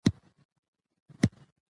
ګیدړ وویل اوبه مي دي میندلي